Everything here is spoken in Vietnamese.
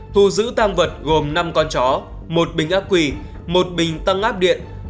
thu giữ tăng vật gồm năm con chó một bình ác quỳ một bình tăng áp điện